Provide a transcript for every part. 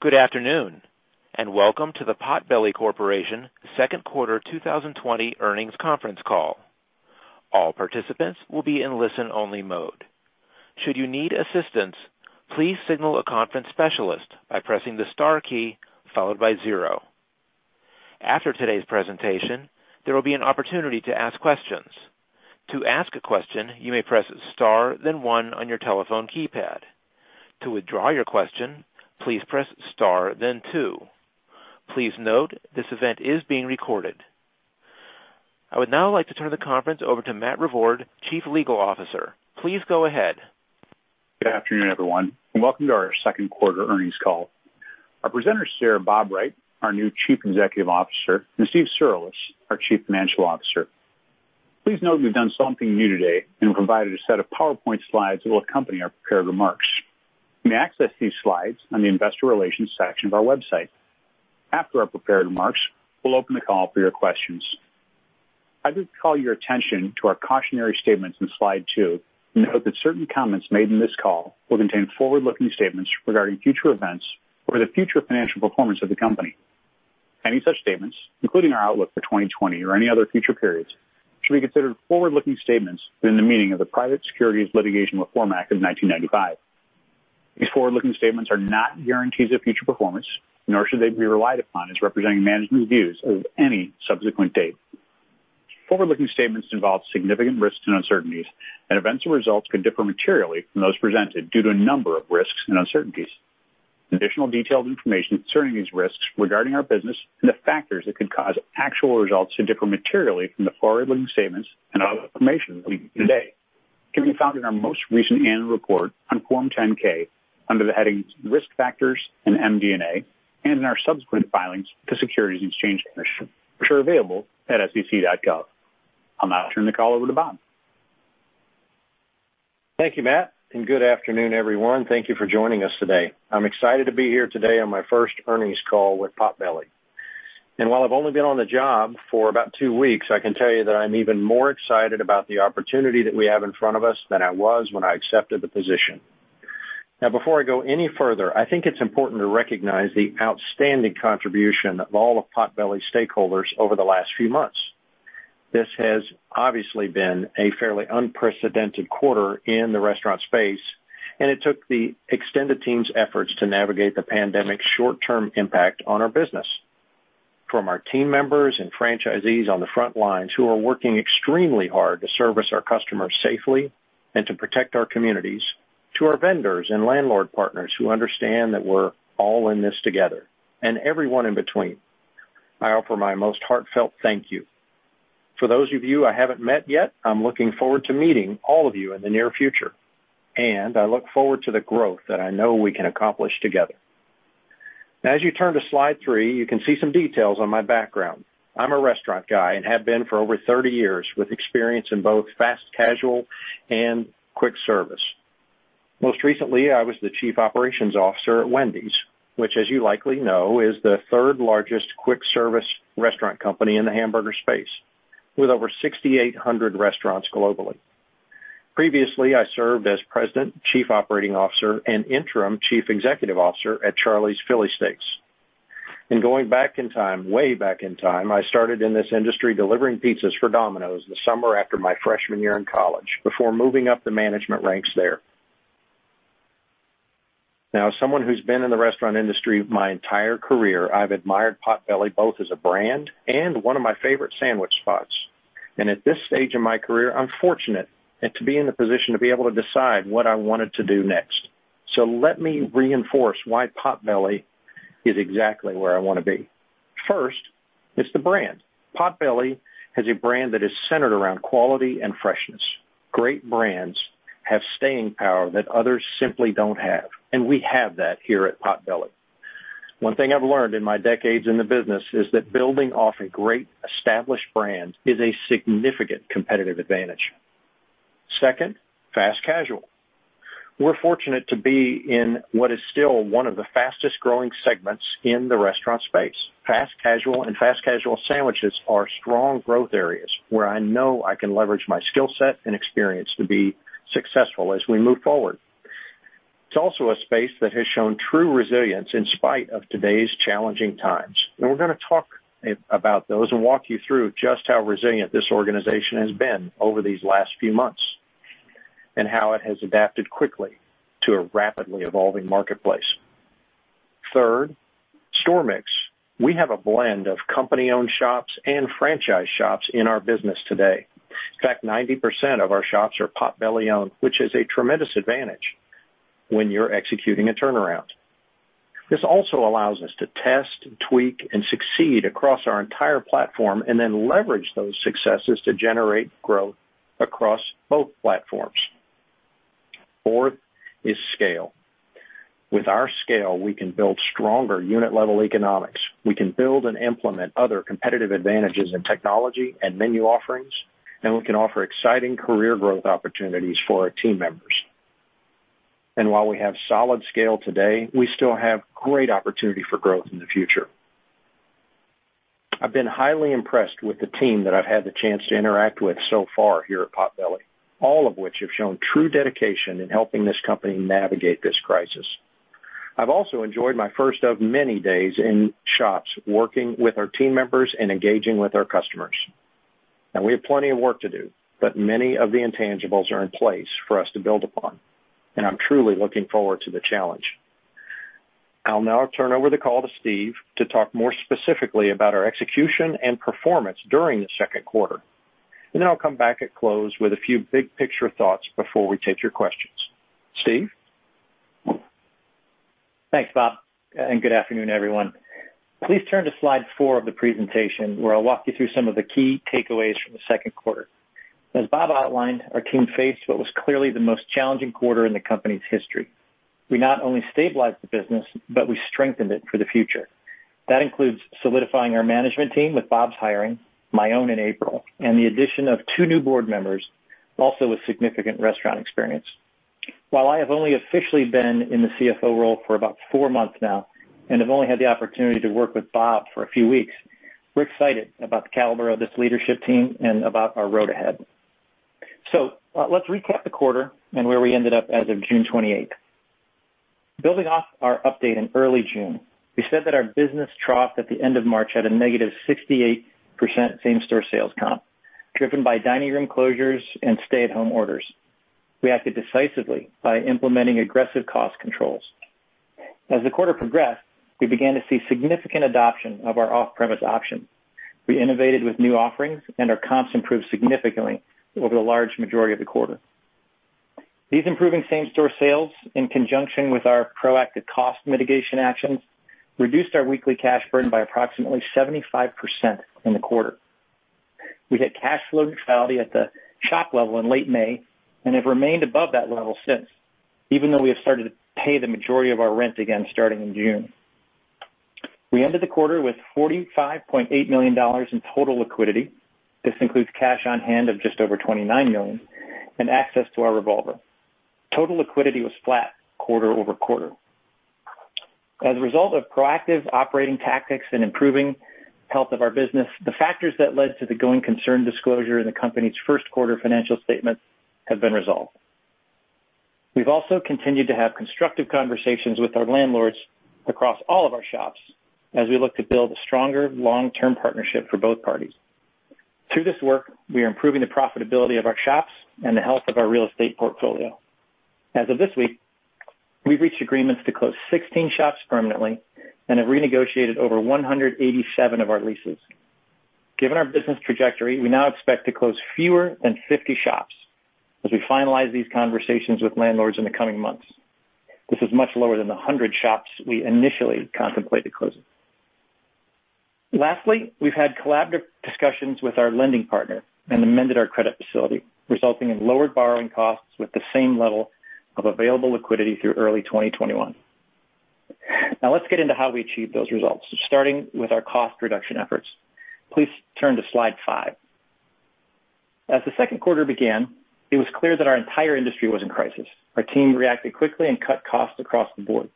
Good afternoon, and welcome to the Potbelly Corporation second quarter 2020 earnings conference call. All participants will be in listen-only mode. After today's presentation, there will be an opportunity to ask questions. Please note this event is being recorded. I would now like to turn the conference over to Matthew Revord, Chief Legal Officer. Please go ahead. Good afternoon, everyone, and welcome to our second quarter earnings call. Our presenters today are Robert Wright, our new Chief Executive Officer, and Steven Cirulis, our Chief Financial Officer. Please note we've done something new today and provided a set of PowerPoint slides that will accompany our prepared remarks. You may access these slides on the investor relations section of our website. After our prepared remarks, we'll open the call for your questions. I'd like to call your attention to our cautionary statements on slide two and note that certain comments made in this call will contain forward-looking statements regarding future events or the future financial performance of the company. Any such statements, including our outlook for 2020 or any other future periods, should be considered forward-looking statements within the meaning of the Private Securities Litigation Reform Act of 1995. These forward-looking statements are not guarantees of future performance, nor should they be relied upon as representing management views as of any subsequent date. Forward-looking statements involve significant risks and uncertainties, and events or results could differ materially from those presented due to a number of risks and uncertainties. Additional detailed information concerning these risks regarding our business and the factors that could cause actual results to differ materially from the forward-looking statements and other information leading today can be found in our most recent annual report on Form 10-K under the headings Risk Factors and MD&A and in our subsequent filings with the Securities and Exchange Commission, which are available at sec.gov. I'll now turn the call over to Bob. Thank you, Matt. Good afternoon, everyone. Thank you for joining us today. I'm excited to be here today on my first earnings call with Potbelly. While I've only been on the job for about two weeks, I can tell you that I'm even more excited about the opportunity that we have in front of us than I was when I accepted the position. Before I go any further, I think it's important to recognize the outstanding contribution of all of Potbelly's stakeholders over the last few months. This has obviously been a fairly unprecedented quarter in the restaurant space, and it took the extended team's efforts to navigate the pandemic's short-term impact on our business. From our team members and franchisees on the front lines who are working extremely hard to service our customers safely and to protect our communities, to our vendors and landlord partners who understand that we're all in this together, and everyone in between, I offer my most heartfelt thank you. For those of you I haven't met yet, I'm looking forward to meeting all of you in the near future, and I look forward to the growth that I know we can accomplish together. As you turn to slide three, you can see some details on my background. I'm a restaurant guy and have been for over 30 years, with experience in both fast casual and quick service. Most recently, I was the chief operations officer at Wendy's, which, as you likely know, is the third-largest quick-service restaurant company in the hamburger space, with over 6,800 restaurants globally. Previously, I served as president, chief operating officer, and interim chief executive officer at Charleys Philly Steaks. Going back in time, way back in time, I started in this industry delivering pizzas for Domino's the summer after my freshman year in college before moving up the management ranks there. Now, as someone who's been in the restaurant industry my entire career, I've admired Potbelly both as a brand and one of my favorite sandwich spots. At this stage in my career, I'm fortunate to be in the position to be able to decide what I wanted to do next. Let me reinforce why Potbelly is exactly where I want to be. First, it's the brand. Potbelly has a brand that is centered around quality and freshness. Great brands have staying power that others simply don't have, and we have that here at Potbelly. One thing I've learned in my decades in the business is that building off a great established brand is a significant competitive advantage. Second, fast casual. We're fortunate to be in what is still one of the fastest-growing segments in the restaurant space. Fast casual and fast casual sandwiches are strong growth areas where I know I can leverage my skill set and experience to be successful as we move forward. It's also a space that has shown true resilience in spite of today's challenging times, and we're going to talk about those and walk you through just how resilient this organization has been over these last few months and how it has adapted quickly to a rapidly evolving marketplace. Third, store mix. We have a blend of company-owned shops and franchise shops in our business today. In fact, 90% of our shops are Potbelly-owned, which is a tremendous advantage when you're executing a turnaround. This also allows us to test, tweak, and succeed across our entire platform and then leverage those successes to generate growth across both platforms. Fourth is scale. With our scale, we can build stronger unit-level economics. We can build and implement other competitive advantages in technology and menu offerings, and we can offer exciting career growth opportunities for our team members. While we have solid scale today, we still have great opportunity for growth in the future. I've been highly impressed with the team that I've had the chance to interact with so far here at Potbelly, all of which have shown true dedication in helping this company navigate this crisis. I've also enjoyed my first of many days in shops working with our team members and engaging with our customers. We have plenty of work to do, but many of the intangibles are in place for us to build upon, and I'm truly looking forward to the challenge. I'll now turn over the call to Steve to talk more specifically about our execution and performance during the second quarter, and then I'll come back at close with a few big picture thoughts before we take your questions. Steve? Thanks, Bob, and good afternoon, everyone. Please turn to slide four of the presentation, where I'll walk you through some of the key takeaways from the second quarter. As Bob outlined, our team faced what was clearly the most challenging quarter in the company's history. We not only stabilized the business, but we strengthened it for the future. That includes solidifying our management team with Bob's hiring, my own in April, and the addition of two new board members also with significant restaurant experience. While I have only officially been in the CFO role for about four months now and have only had the opportunity to work with Bob for a few weeks, we're excited about the caliber of this leadership team and about our road ahead. Let's recap the quarter and where we ended up as of June 28th. Building off our update in early June, we said that our business troughed at the end of March at a negative 68% same-store sales comp, driven by dining room closures and stay-at-home orders. We acted decisively by implementing aggressive cost controls. As the quarter progressed, we began to see significant adoption of our off-premise options. We innovated with new offerings, and our comps improved significantly over the large majority of the quarter. These improving same-store sales, in conjunction with our proactive cost mitigation actions, reduced our weekly cash burn by approximately 75% in the quarter. We hit cash flow neutrality at the shop level in late May and have remained above that level since, even though we have started to pay the majority of our rent again starting in June. We ended the quarter with $45.8 million in total liquidity. This includes cash on hand of just over $29 million and access to our revolver. Total liquidity was flat quarter-over-quarter. As a result of proactive operating tactics and improving health of our business, the factors that led to the going concern disclosure in the company's first quarter financial statements have been resolved. We've also continued to have constructive conversations with our landlords across all of our shops as we look to build a stronger long-term partnership for both parties. Through this work, we are improving the profitability of our shops and the health of our real estate portfolio. As of this week, we've reached agreements to close 16 shops permanently and have renegotiated over 187 of our leases. Given our business trajectory, we now expect to close fewer than 50 shops as we finalize these conversations with landlords in the coming months. This is much lower than the 100 shops we initially contemplated closing. Lastly, we've had collaborative discussions with our lending partner and amended our credit facility, resulting in lowered borrowing costs with the same level of available liquidity through early 2021. Now let's get into how we achieved those results, starting with our cost reduction efforts. Please turn to slide five. As the second quarter began, it was clear that our entire industry was in crisis. Our team reacted quickly and cut costs across the board.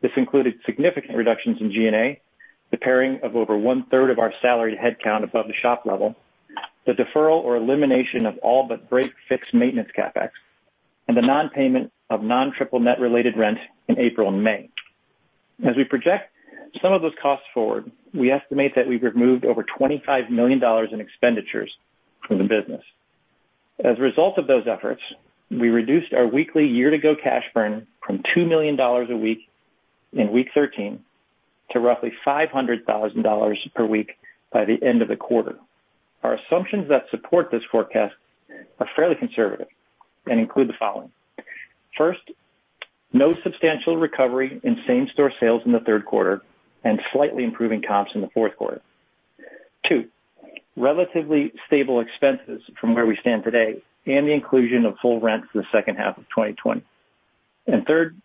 This included significant reductions in G&A, the paring of over one-third of our salaried headcount above the shop level, the deferral or elimination of all but break-fix maintenance CapEx, and the non-payment of non-triple net related rent in April and May. As we project some of those costs forward, we estimate that we've removed over $25 million in expenditures from the business. As a result of those efforts, we reduced our weekly year-to-go cash burn from $2 million a week in week 13 to roughly $500,000 per week by the end of the quarter. Our assumptions that support this forecast are fairly conservative and include the following. First, no substantial recovery in same-store sales in the third quarter and slightly improving comps in the fourth quarter. Two, relatively stable expenses from where we stand today and the inclusion of full rent for the second half of 2020. Third,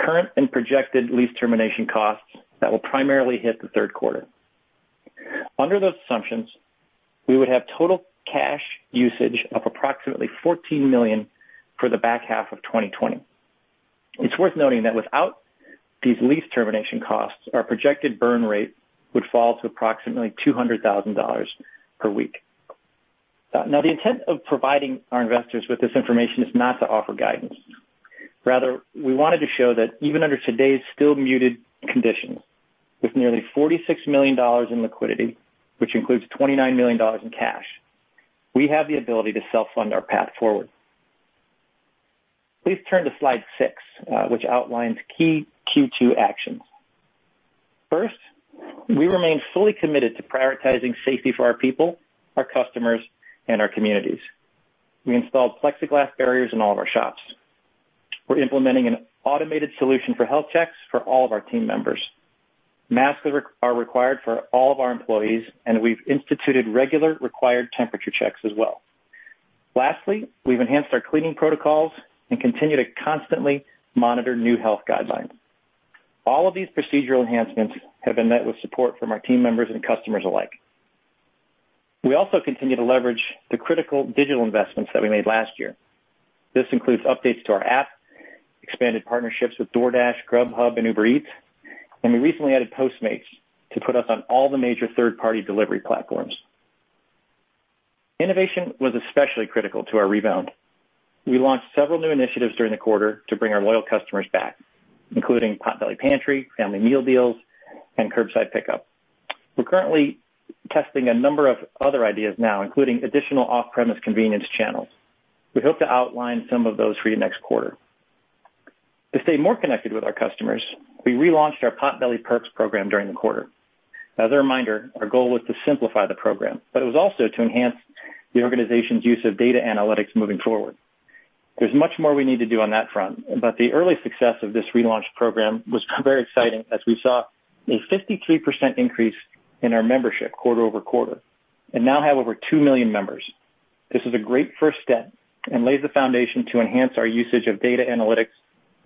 current and projected lease termination costs that will primarily hit the third quarter. Under those assumptions, we would have total cash usage of approximately $14 million for the back half of 2020. It's worth noting that without these lease termination costs, our projected burn rate would fall to approximately $200,000 per week. Now, the intent of providing our investors with this information is not to offer guidance. Rather, we wanted to show that even under today's still muted conditions, with nearly $46 million in liquidity, which includes $29 million in cash, we have the ability to self-fund our path forward. Please turn to slide six, which outlines key Q2 actions. First, we remain fully committed to prioritizing safety for our people, our customers, and our communities. We installed plexiglass barriers in all of our shops. We're implementing an automated solution for health checks for all of our team members. Masks are required for all of our employees, and we've instituted regular required temperature checks as well. Lastly, we've enhanced our cleaning protocols and continue to constantly monitor new health guidelines. All of these procedural enhancements have been met with support from our team members and customers alike. We also continue to leverage the critical digital investments that we made last year. This includes updates to our app, expanded partnerships with DoorDash, Grubhub, and Uber Eats, and we recently added Postmates to put us on all the major third-party delivery platforms. Innovation was especially critical to our rebound. We launched several new initiatives during the quarter to bring our loyal customers back, including Potbelly Pantry, Family Meal Deals, and curbside pickup. We're currently testing a number of other ideas now, including additional off-premise convenience channels. We hope to outline some of those for you next quarter. To stay more connected with our customers, we relaunched our Potbelly Perks program during the quarter. As a reminder, our goal was to simplify the program, but it was also to enhance the organization's use of data analytics moving forward. There's much more we need to do on that front, but the early success of this relaunched program was very exciting, as we saw a 53% increase in our membership quarter-over-quarter, and now have over 2 million members. This is a great first step and lays the foundation to enhance our usage of data analytics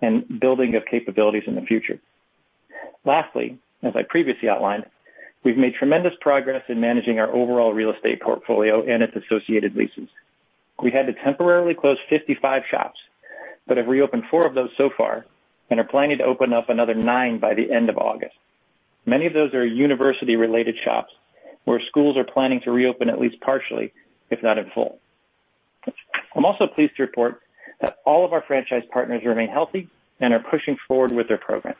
and building of capabilities in the future. Lastly, as I previously outlined, we've made tremendous progress in managing our overall real estate portfolio and its associated leases. We had to temporarily close 55 shops, but have reopened four of those so far, and are planning to open up another nine by the end of August. Many of those are university-related shops, where schools are planning to reopen at least partially, if not in full. I'm also pleased to report that all of our franchise partners remain healthy and are pushing forward with their programs.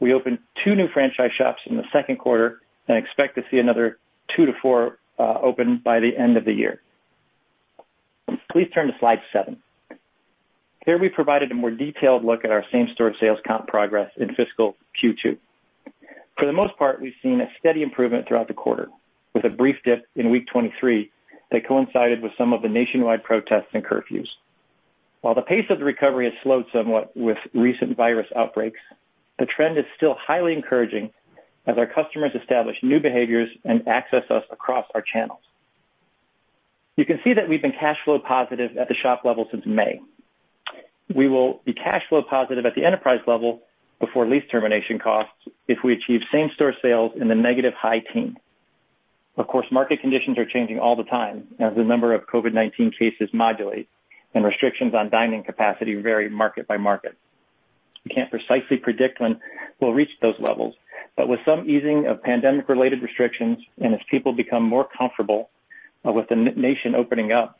We opened two new franchise shops in the second quarter and expect to see another two to four open by the end of the year. Please turn to slide seven. Here we provided a more detailed look at our same-store sales comp progress in fiscal Q2. For the most part, we've seen a steady improvement throughout the quarter, with a brief dip in week 23 that coincided with some of the nationwide protests and curfews. While the pace of the recovery has slowed somewhat with recent virus outbreaks, the trend is still highly encouraging as our customers establish new behaviors and access us across our channels. You can see that we've been cash flow positive at the shop level since May. We will be cash flow positive at the enterprise level before lease termination costs if we achieve same-store sales in the negative high teens. Of course, market conditions are changing all the time as the number of COVID-19 cases modulate and restrictions on dining capacity vary market by market. We can't precisely predict when we'll reach those levels, but with some easing of pandemic-related restrictions, and as people become more comfortable with the nation opening up,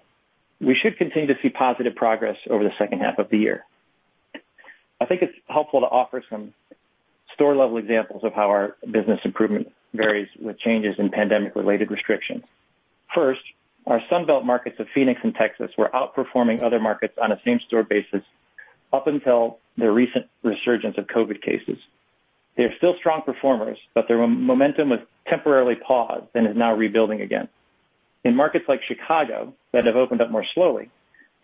we should continue to see positive progress over the second half of the year. I think it's helpful to offer some store-level examples of how our business improvement varies with changes in pandemic-related restrictions. First, our Sun Belt markets of Phoenix and Texas were outperforming other markets on a same-store basis up until the recent resurgence of COVID cases. They are still strong performers, but their momentum was temporarily paused and is now rebuilding again. In markets like Chicago that have opened up more slowly,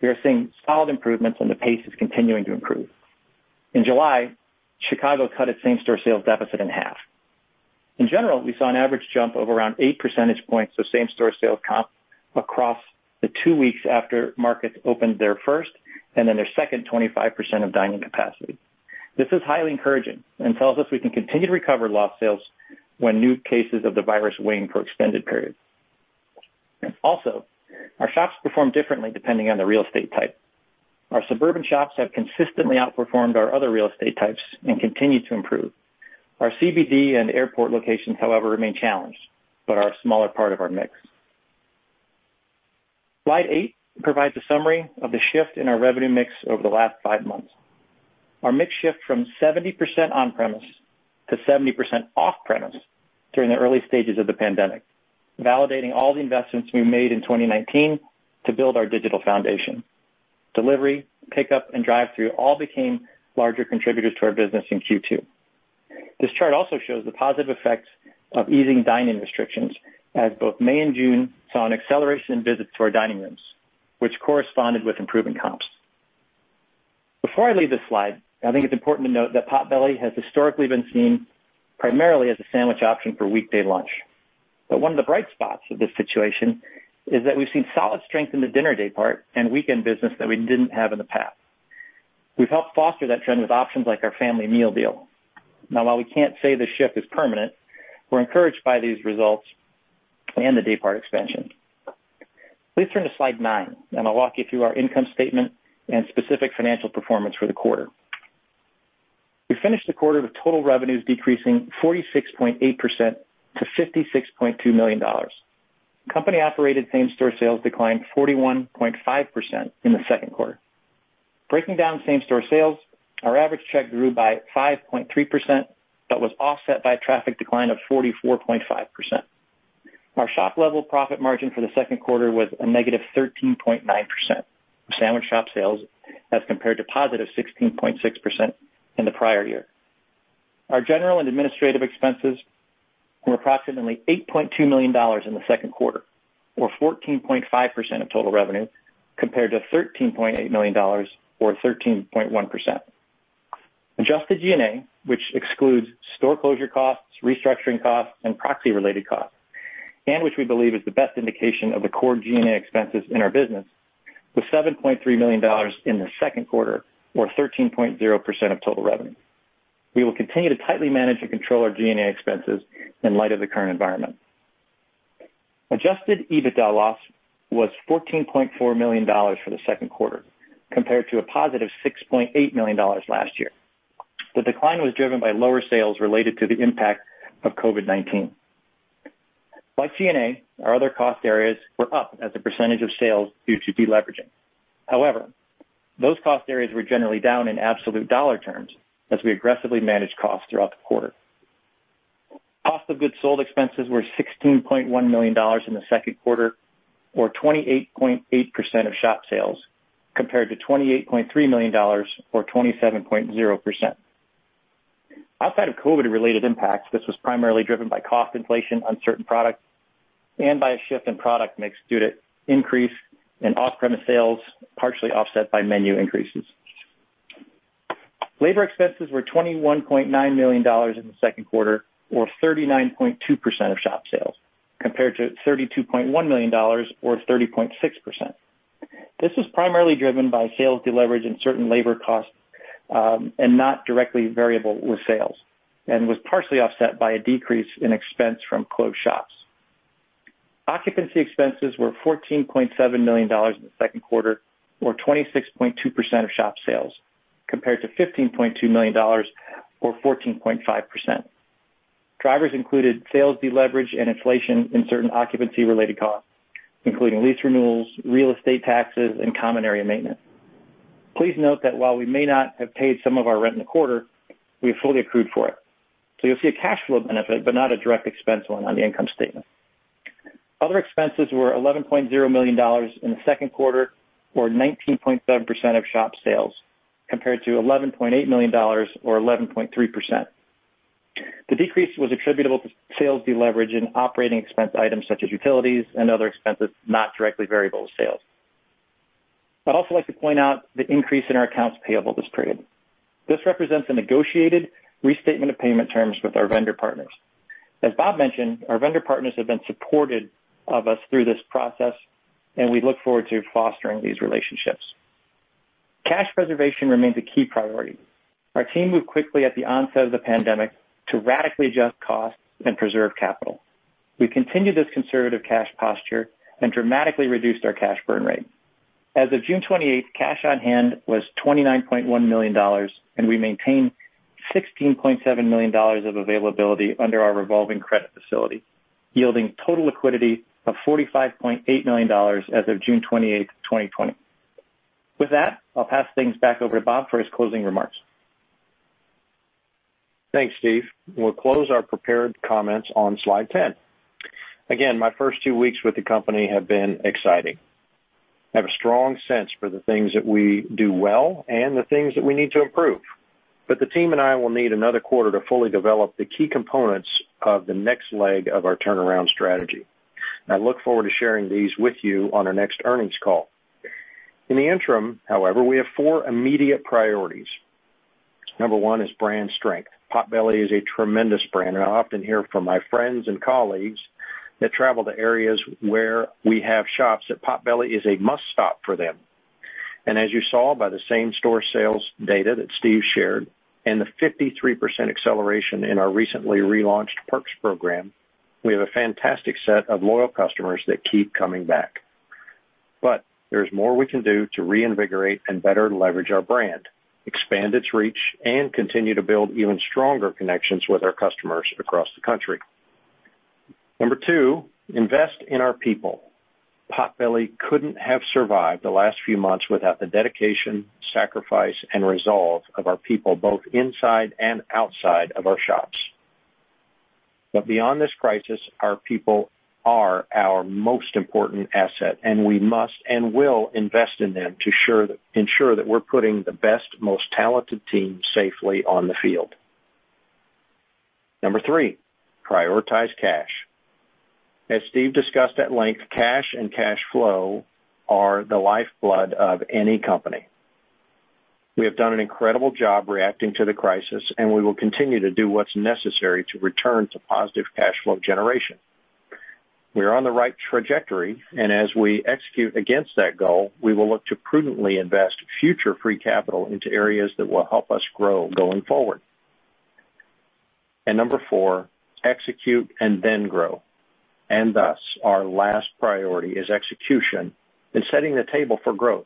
we are seeing solid improvements and the pace is continuing to improve. In July, Chicago cut its same-store sales deficit in half. In general, we saw an average jump of around eight percentage points of same-store sales comp across the two weeks after markets opened their first and then their second 25% of dining capacity. This is highly encouraging and tells us we can continue to recover lost sales when new cases of the virus wane for extended periods. Our shops perform differently depending on the real estate type. Our suburban shops have consistently outperformed our other real estate types and continue to improve. Our CBD and airport locations, however, remain challenged, but are a smaller part of our mix. Slide eight provides a summary of the shift in our revenue mix over the last five months. Our mix shift from 70% on-premise to 70% off-premise during the early stages of the pandemic, validating all the investments we made in 2019 to build our digital foundation. Delivery, pickup, and drive-through all became larger contributors to our business in Q2. This chart also shows the positive effects of easing dine-in restrictions, as both May and June saw an acceleration in visits to our dining rooms, which corresponded with improving comps. Before I leave this slide, I think it's important to note that Potbelly has historically been seen primarily as a sandwich option for weekday lunch. One of the bright spots of this situation is that we've seen solid strength in the dinner daypart and weekend business that we didn't have in the past. We've helped foster that trend with options like our Family Meal Deals. Now, while we can't say the shift is permanent, we're encouraged by these results and the daypart expansion. Please turn to slide nine, and I'll walk you through our income statement and specific financial performance for the quarter. We finished the quarter with total revenues decreasing 46.8% to $56.2 million. Company-operated same-store sales declined 41.5% in the second quarter. Breaking down same-store sales, our average check grew by 5.3% but was offset by a traffic decline of 44.5%. Our shop-level profit margin for the second quarter was a negative 13.9% of sandwich shop sales as compared to positive 16.6% in the prior year. Our general and administrative expenses were approximately $8.2 million in the second quarter or 14.5% of total revenue, compared to $13.8 million or 13.1%. Adjusted G&A, which excludes store closure costs, restructuring costs, and proxy-related costs, which we believe is the best indication of the core G&A expenses in our business, was $7.3 million in the second quarter or 13.0% of total revenue. We will continue to tightly manage and control our G&A expenses in light of the current environment. Adjusted EBITDA loss was $14.4 million for the second quarter, compared to a positive $6.8 million last year. The decline was driven by lower sales related to the impact of COVID-19. Like G&A, our other cost areas were up as a percentage of sales due to deleveraging. Those cost areas were generally down in absolute dollar terms as we aggressively managed costs throughout the quarter. Cost of goods sold expenses were $16.1 million in the second quarter, or 28.8% of shop sales, compared to $28.3 million, or 27.0%. Outside of COVID-related impacts, this was primarily driven by cost inflation on certain products and by a shift in product mix due to increase in off-premise sales, partially offset by menu increases. Labor expenses were $21.9 million in the second quarter, or 39.2% of shop sales, compared to $32.1 million, or 30.6%. This was primarily driven by sales deleverage and certain labor costs, not directly variable with sales, and was partially offset by a decrease in expense from closed shops. Occupancy expenses were $14.7 million in the second quarter, or 26.2% of shop sales, compared to $15.2 million, or 14.5%. Drivers included sales deleverage and inflation in certain occupancy-related costs, including lease renewals, real estate taxes, and common area maintenance. Please note that while we may not have paid some of our rent in the quarter, we have fully accrued for it. You'll see a cash flow benefit, but not a direct expense one on the income statement. Other expenses were $11.0 million in the second quarter, or 19.7% of shop sales, compared to $11.8 million, or 11.3%. The decrease was attributable to sales deleverage and operating expense items such as utilities and other expenses not directly variable with sales. I'd also like to point out the increase in our accounts payable this period. This represents a negotiated restatement of payment terms with our vendor partners. As Bob mentioned, our vendor partners have been supportive of us through this process, and we look forward to fostering these relationships. Cash preservation remains a key priority. Our team moved quickly at the onset of the pandemic to radically adjust costs and preserve capital. We continued this conservative cash posture and dramatically reduced our cash burn rate. As of June 28th, cash on hand was $29.1 million, and we maintained $16.7 million of availability under our revolving credit facility, yielding total liquidity of $45.8 million as of June 28th, 2020. With that, I'll pass things back over to Bob for his closing remarks. Thanks, Steve. We'll close our prepared comments on slide 10. Again, my first two weeks with the company have been exciting. I have a strong sense for the things that we do well and the things that we need to improve. The team and I will need another quarter to fully develop the key components of the next leg of our turnaround strategy. I look forward to sharing these with you on our next earnings call. In the interim, however, we have four immediate priorities. Number one is brand strength. Potbelly is a tremendous brand, and I often hear from my friends and colleagues that travel to areas where we have shops that Potbelly is a must-stop for them. As you saw by the same-store sales data that Steve shared and the 53% acceleration in our recently relaunched Perks program, we have a fantastic set of loyal customers that keep coming back. There's more we can do to reinvigorate and better leverage our brand, expand its reach, and continue to build even stronger connections with our customers across the country. Number two, invest in our people. Potbelly couldn't have survived the last few months without the dedication, sacrifice, and resolve of our people, both inside and outside of our shops. Beyond this crisis, our people are our most important asset, and we must and will invest in them to ensure that we're putting the best, most talented team safely on the field. Number three, prioritize cash. As Steve discussed at length, cash and cash flow are the lifeblood of any company. We have done an incredible job reacting to the crisis, and we will continue to do what's necessary to return to positive cash flow generation. We are on the right trajectory, and as we execute against that goal, we will look to prudently invest future free capital into areas that will help us grow going forward. Number four, execute and then grow. Thus, our last priority is execution and setting the table for growth.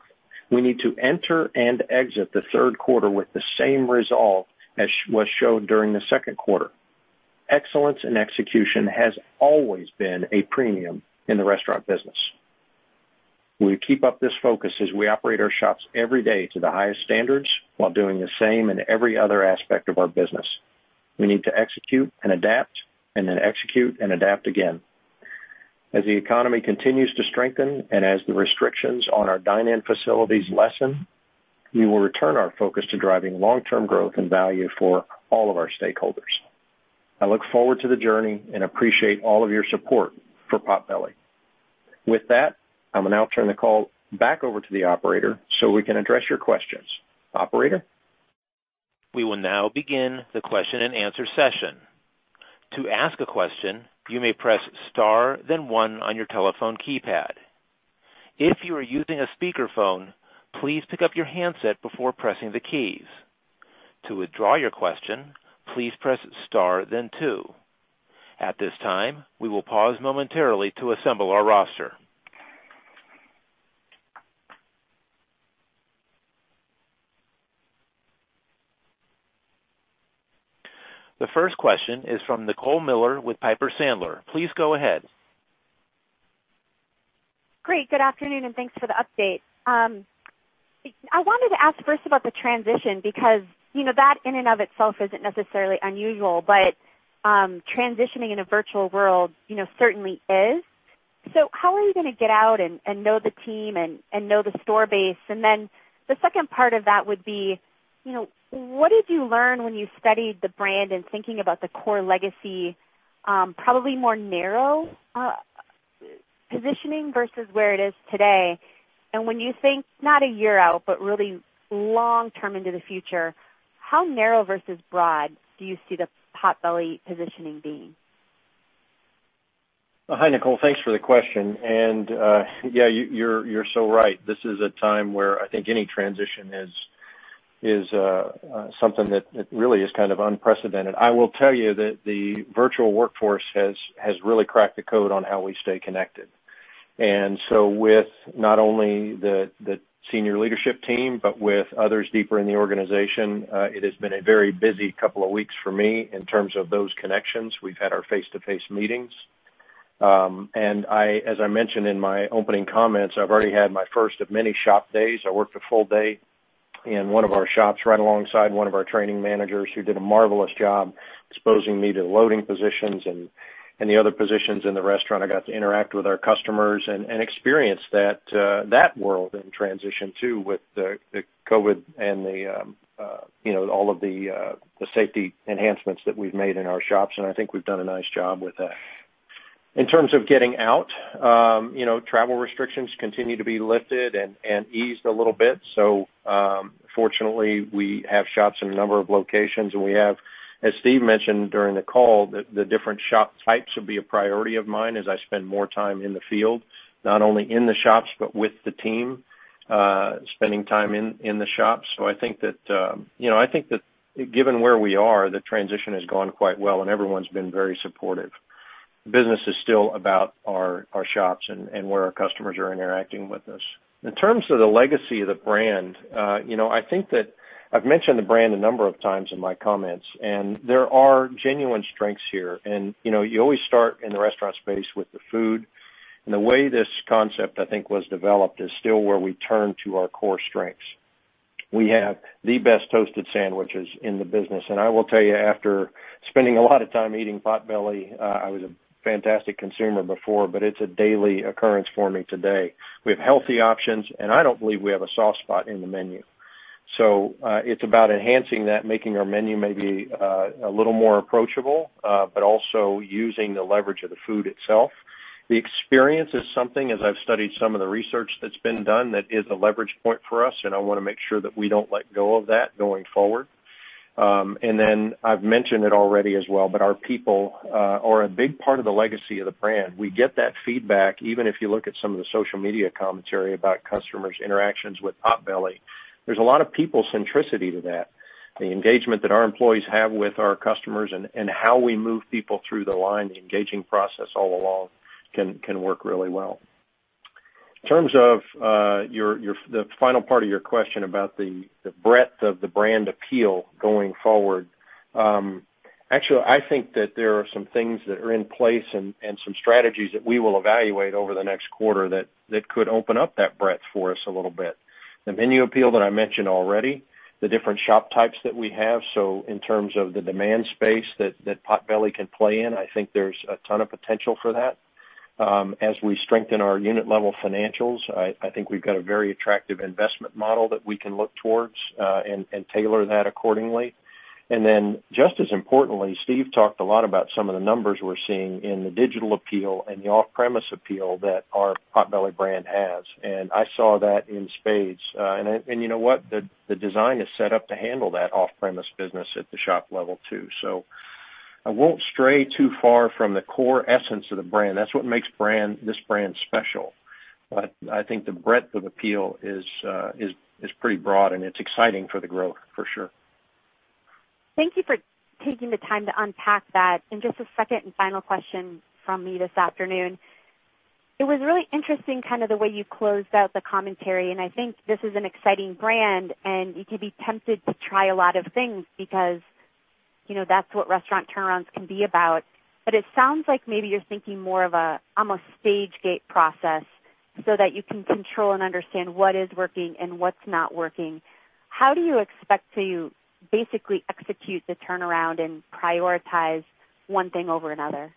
We need to enter and exit the third quarter with the same resolve as was showed during the second quarter. Excellence in execution has always been a premium in the restaurant business. We keep up this focus as we operate our shops every day to the highest standards while doing the same in every other aspect of our business. We need to execute and adapt, and then execute and adapt again. As the economy continues to strengthen and as the restrictions on our dine-in facilities lessen, we will return our focus to driving long-term growth and value for all of our stakeholders. I look forward to the journey and appreciate all of your support for Potbelly. With that, I will now turn the call back over to the operator so we can address your questions. Operator? We will now begin the question and answer session. Ask a question, you may press star then one on your telephone keypad. If you are using a speakerphone, please pick up your handset before pressing the keys. To withdraw your question, please press star then two. At this time, we will pause momentarily to assemble our roster. The first question is from Nicole Miller with Piper Sandler. Please go ahead. Great. Good afternoon, and thanks for the update. I wanted to ask first about the transition because that in and of itself isn't necessarily unusual, but transitioning in a virtual world certainly is. How are you going to get out and know the team and know the store base? The second part of that would be, what did you learn when you studied the brand and thinking about the core legacy, probably more narrow positioning versus where it is today? When you think not a year out, but really long-term into the future, how narrow versus broad do you see the Potbelly positioning being? Hi, Nicole. Thanks for the question. Yeah, you're so right. This is a time where I think any transition is something that really is kind of unprecedented. I will tell you that the virtual workforce has really cracked the code on how we stay connected. With not only the senior leadership team, but with others deeper in the organization, it has been a very busy couple of weeks for me in terms of those connections. We've had our face-to-face meetings. As I mentioned in my opening comments, I've already had my first of many shop days. I worked a full day in one of our shops right alongside one of our training managers who did a marvelous job exposing me to loading positions and the other positions in the restaurant. I got to interact with our customers and experience that world and transition, too, with the COVID-19 and all of the safety enhancements that we've made in our shops, and I think we've done a nice job with that. In terms of getting out, travel restrictions continue to be lifted and eased a little bit. Fortunately, we have shops in a number of locations, and we have, as Steve mentioned during the call, the different shop types will be a priority of mine as I spend more time in the field. Not only in the shops, but with the team, spending time in the shops. I think that given where we are, the transition has gone quite well, and everyone's been very supportive. Business is still about our shops and where our customers are interacting with us. In terms of the legacy of the brand, I think that I've mentioned the brand a number of times in my comments, and there are genuine strengths here. You always start in the restaurant space with the food. The way this concept, I think, was developed is still where we turn to our core strengths. We have the best toasted sandwiches in the business. I will tell you, after spending a lot of time eating Potbelly, I was a fantastic consumer before, but it's a daily occurrence for me today. We have healthy options, and I don't believe we have a soft spot in the menu. It's about enhancing that, making our menu maybe a little more approachable, but also using the leverage of the food itself. The experience is something, as I've studied some of the research that's been done, that is a leverage point for us. I want to make sure that we don't let go of that going forward. I've mentioned it already as well. Our people are a big part of the legacy of the brand. We get that feedback, even if you look at some of the social media commentary about customers' interactions with Potbelly. There's a lot of people centricity to that. The engagement that our employees have with our customers and how we move people through the line, the engaging process all along can work really well. In terms of the final part of your question about the breadth of the brand appeal going forward. Actually, I think that there are some things that are in place and some strategies that we will evaluate over the next quarter that could open up that breadth for us a little bit. The menu appeal that I mentioned already, the different shop types that we have. In terms of the demand space that Potbelly can play in, I think there's a ton of potential for that. As we strengthen our unit-level financials, I think we've got a very attractive investment model that we can look towards, and tailor that accordingly. Just as importantly, Steven talked a lot about some of the numbers we're seeing in the digital appeal and the off-premise appeal that our Potbelly brand has, and I saw that in spades. You know what? The design is set up to handle that off-premise business at the shop level, too. I won't stray too far from the core essence of the brand. That's what makes this brand special. I think the breadth of appeal is pretty broad, and it's exciting for the growth, for sure. Thank you for taking the time to unpack that. Just a second and final question from me this afternoon. It was really interesting kind of the way you closed out the commentary, and I think this is an exciting brand, and you could be tempted to try a lot of things because that's what restaurant turnarounds can be about. It sounds like maybe you're thinking more of almost stage gate process so that you can control and understand what is working and what's not working. How do you expect to basically execute the turnaround and prioritize one thing over another?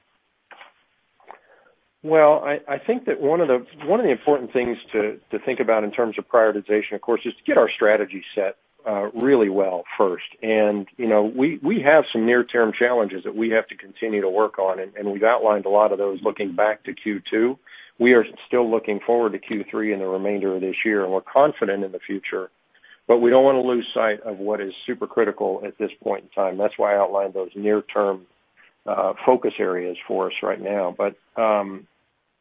Well, I think that one of the important things to think about in terms of prioritization, of course, is to get our strategy set really well first. We have some near-term challenges that we have to continue to work on, and we've outlined a lot of those looking back to Q2. We are still looking forward to Q3 and the remainder of this year, and we're confident in the future We don't want to lose sight of what is super critical at this point in time. That's why I outlined those near-term focus areas for us right now.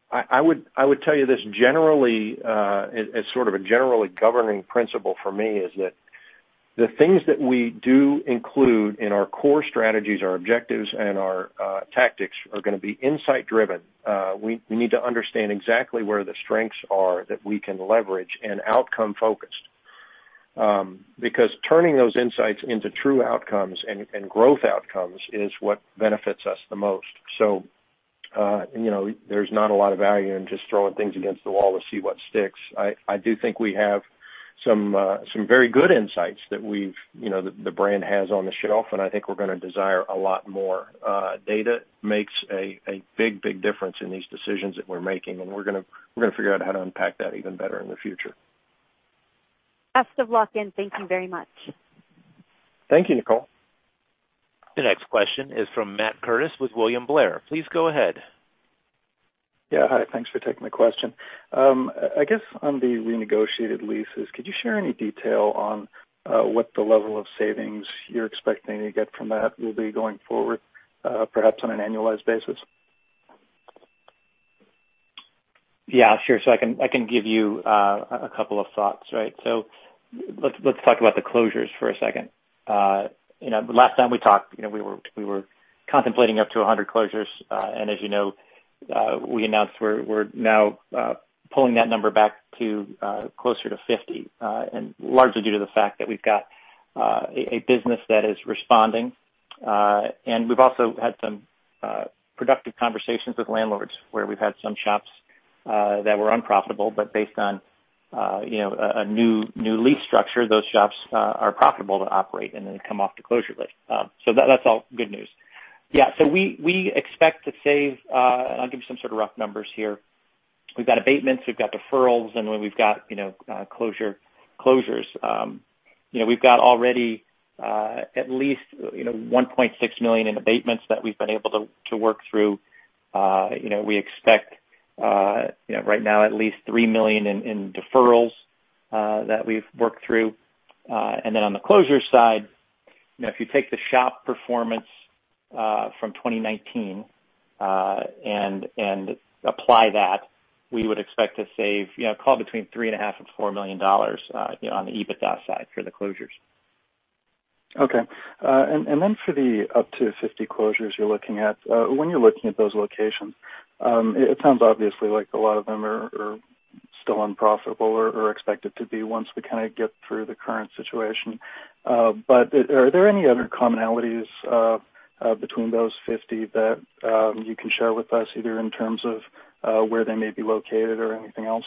I would tell you this, generally, as sort of a generally governing principle for me, is that the things that we do include in our core strategies, our objectives, and our tactics are going to be insight-driven. We need to understand exactly where the strengths are that we can leverage and outcome-focused. Turning those insights into true outcomes and growth outcomes is what benefits us the most. There's not a lot of value in just throwing things against the wall to see what sticks. I do think we have some very good insights that the brand has on the shelf, and I think we're going to desire a lot more. Data makes a big, big difference in these decisions that we're making. We're going to figure out how to unpack that even better in the future. Best of luck, and thank you very much. Thank you, Nicole. The next question is from Matt Curtis with William Blair. Please go ahead. Yeah. Hi. Thanks for taking my question. I guess on the renegotiated leases, could you share any detail on what the level of savings you're expecting to get from that will be going forward, perhaps on an annualized basis? Yeah, sure. I can give you a couple of thoughts, right? Let's talk about the closures for a second. Last time we talked, we were contemplating up to 100 closures. As you know, we announced we're now pulling that number back to closer to 50, and largely due to the fact that we've got a business that is responding. We've also had some productive conversations with landlords where we've had some shops that were unprofitable, but based on a new lease structure, those shops are profitable to operate and then come off the closure list. That's all good news. Yeah, we expect to save, and I'll give some sort of rough numbers here. We've got abatements, we've got deferrals, and we've got closures. We've got already at least $1.6 million in abatements that we've been able to work through. We expect right now at least $3 million in deferrals that we've worked through. Then on the closure side, if you take the shop performance from 2019 and apply that, we would expect to save call it between three and a half million dollars and $4 million on the EBITDA side for the closures. Okay. For the up to 50 closures you're looking at, when you're looking at those locations, it sounds obviously like a lot of them are still unprofitable or expected to be once we kind of get through the current situation. Are there any other commonalities between those 50 that you can share with us, either in terms of where they may be located or anything else?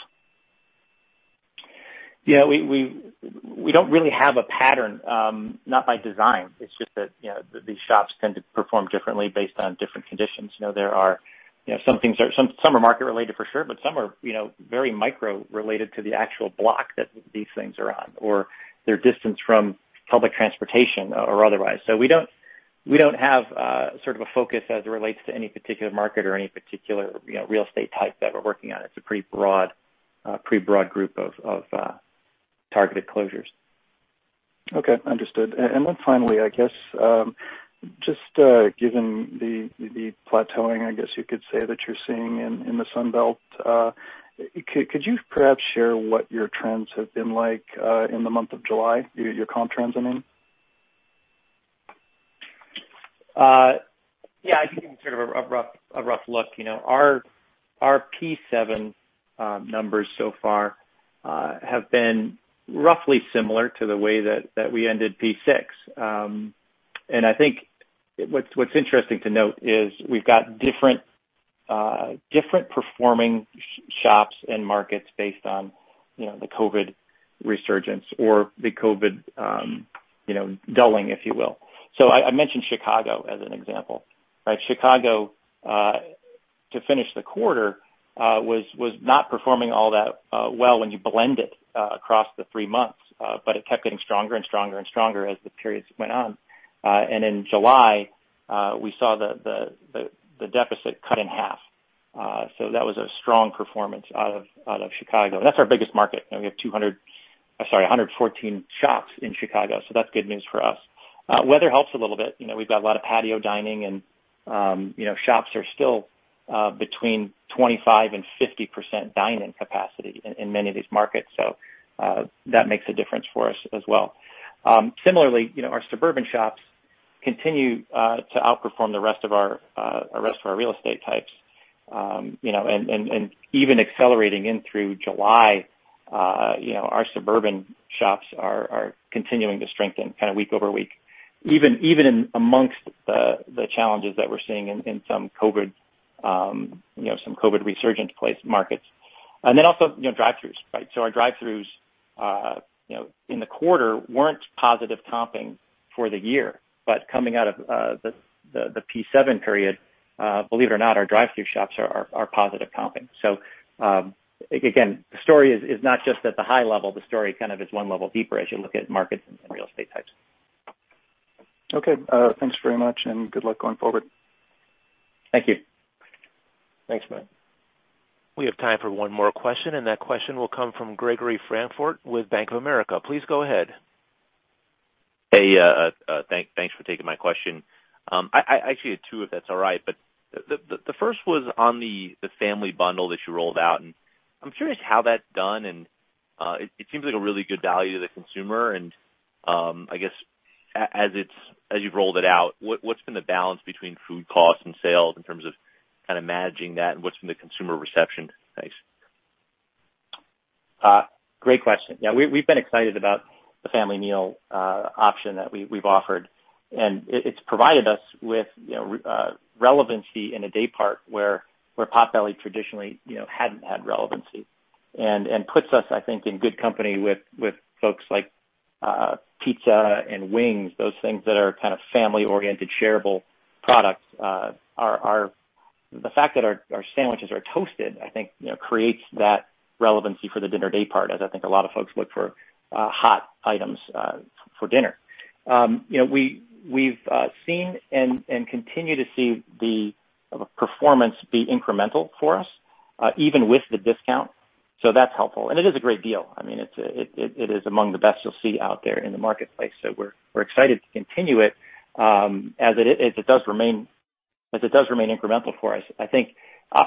Yeah, we don't really have a pattern. Not by design. It's just that these shops tend to perform differently based on different conditions. Some are market related for sure, but some are very micro related to the actual block that these things are on or their distance from public transportation or otherwise. We don't have sort of a focus as it relates to any particular market or any particular real estate type that we're working on. It's a pretty broad group of targeted closures. Okay, understood. Finally, I guess, just given the plateauing, I guess you could say, that you're seeing in the Sun Belt, could you perhaps share what your trends have been like in the month of July? Your comp trends, I mean. Yeah. I can give sort of a rough look. Our P7 numbers so far have been roughly similar to the way that we ended P6. I think what's interesting to note is we've got different performing shops and markets based on the COVID resurgence or the COVID dulling, if you will. I mentioned Chicago as an example, right? Chicago, to finish the quarter, was not performing all that well when you blend it across the three months. It kept getting stronger and stronger and stronger as the periods went on. In July, we saw the deficit cut in half. That was a strong performance out of Chicago. That's our biggest market. We have 200, sorry, 114 shops in Chicago, that's good news for us. Weather helps a little bit. We've got a lot of patio dining. Shops are still between 25% and 50% dine-in capacity in many of these markets. That makes a difference for us as well. Similarly, our suburban shops continue to outperform the rest of our real estate types. Even accelerating in through July, our suburban shops are continuing to strengthen kind of week over week, even amongst the challenges that we're seeing in some COVID-19 resurgent markets. Also drive-throughs, right? Our drive-throughs in the quarter weren't positive comping for the year. Coming out of the P7 period, believe it or not, our drive-through shops are positive comping. Again, the story is not just at the high level. The story kind of is one level deeper as you look at markets and real estate types. Okay. Thanks very much and good luck going forward. Thank you. Thanks, Matt. We have time for one more question, and that question will come from Gregory Francfort with Bank of America. Please go ahead. Hey, thanks for taking my question. I actually had two, if that's all right. The first was on the family bundle that you rolled out. I'm curious how that's done. It seems like a really good value to the consumer. I guess as you've rolled it out, what's been the balance between food costs and sales in terms of kind of managing that? What's been the consumer reception? Thanks. Great question. Yeah. We've been excited about the Family Meal Deals that we've offered, and it's provided us with relevancy in a day part where Potbelly traditionally hadn't had relevancy and puts us, I think, in good company with folks like pizza and wings. Those things that are kind of family-oriented, shareable products. The fact that our sandwiches are toasted, I think, creates that relevancy for the dinner day part, as I think a lot of folks look for hot items for dinner. We've seen and continue to see the performance be incremental for us, even with the discount. That's helpful. It is a great deal. It is among the best you'll see out there in the marketplace. We're excited to continue it as it does remain incremental for us. I think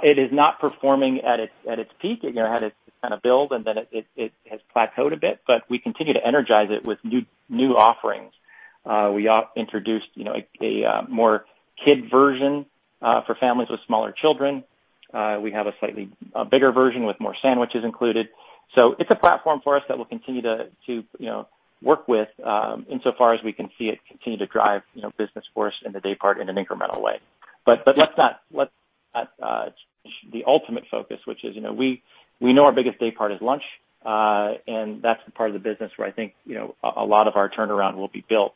it is not performing at its peak. It had to kind of build, and then it has plateaued a bit, but we continue to energize it with new offerings. We introduced a more kid version for families with smaller children. We have a slightly bigger version with more sandwiches included. It's a platform for us that we'll continue to work with insofar as we can see it continue to drive business for us in the day part in an incremental way. Let's not lose the ultimate focus, which is we know our biggest day part is lunch. That's the part of the business where I think a lot of our turnaround will be built,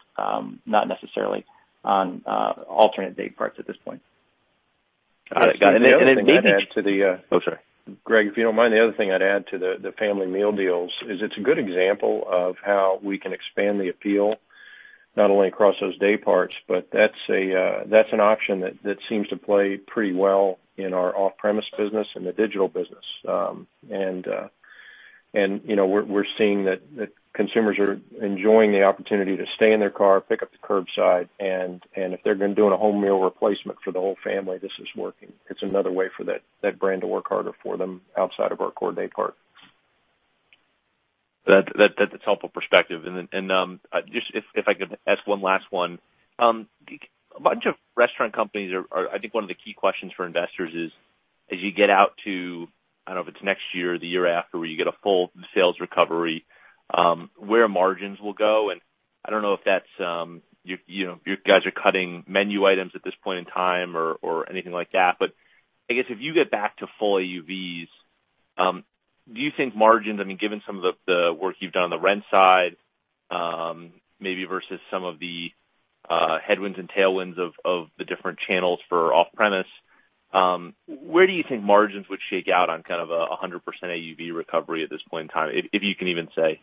not necessarily on alternate day parts at this point. Got it. The other thing I'd add to the- Oh, sorry. Gregory, if you don't mind, the other thing I'd add to the Family Meal Deals is it's a good example of how we can expand the appeal not only across those day parts, but that's an option that seems to play pretty well in our off-premise business and the digital business. We're seeing that consumers are enjoying the opportunity to stay in their car, pick up the curbside, and if they're doing a home meal replacement for the whole family, this is working. It's another way for that brand to work harder for them outside of our core day part. That's helpful perspective. Then if I could ask one last one. A bunch of restaurant companies are, I think, one of the key questions for investors is as you get out to, I don't know if it's next year or the year after, where you get a full sales recovery where margins will go. I don't know if you guys are cutting menu items at this point in time or anything like that. I guess if you get back to full UVs, do you think margins, given some of the work you've done on the rent side, maybe versus some of the headwinds and tailwinds of the different channels for off-premise, where do you think margins would shake out on kind of 100% UV recovery at this point in time, if you can even say?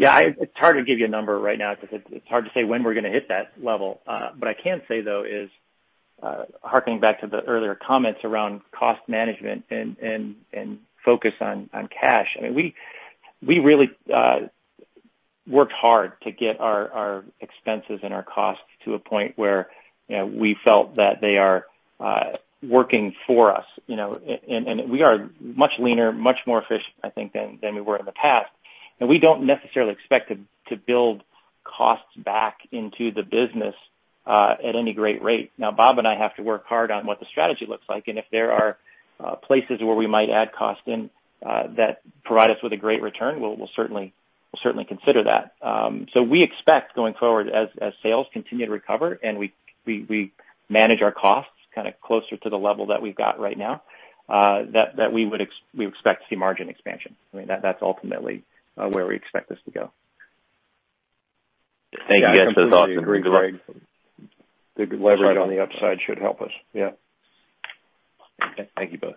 Yeah. It's hard to give you a number right now because it's hard to say when we're going to hit that level. I can say, though, is harking back to the earlier comments around cost management and focus on cash. We really worked hard to get our expenses and our costs to a point where we felt that they are working for us. We are much leaner, much more efficient, I think, than we were in the past. We don't necessarily expect to build costs back into the business at any great rate. Now, Bob and I have to work hard on what the strategy looks like, and if there are places where we might add cost in that provide us with a great return, we'll certainly consider that. We expect going forward as sales continue to recover and we manage our costs kind of closer to the level that we've got right now, that we expect to see margin expansion. That's ultimately where we expect this to go. Thank you guys. That's awesome. I completely agree, Greg. The leverage on the upside should help us. Yeah. Thank you both.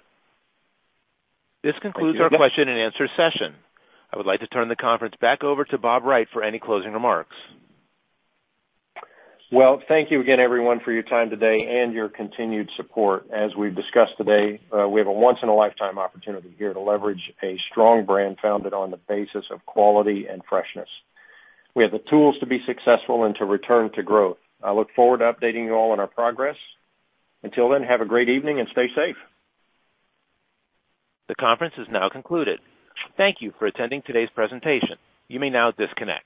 This concludes our question and answer session. I would like to turn the conference back over to Robert Wright for any closing remarks. Well, thank you again, everyone, for your time today and your continued support. As we've discussed today, we have a once in a lifetime opportunity here to leverage a strong brand founded on the basis of quality and freshness. We have the tools to be successful and to return to growth. I look forward to updating you all on our progress. Until then, have a great evening and stay safe. The conference is now concluded. Thank you for attending today's presentation. You may now disconnect.